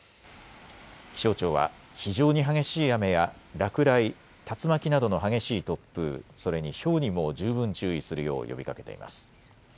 気象庁は非常に激しい雨や落雷、竜巻などの激しい突風、それにひょうにも十分注意するよう呼びかけています。